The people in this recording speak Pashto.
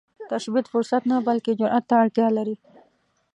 تشبث فرصت نه، بلکې جرئت ته اړتیا لري